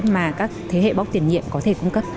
mà các thế hệ bóc tiền nhiệm có thể cung cấp